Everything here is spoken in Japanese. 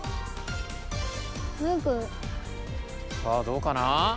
さあどうかな？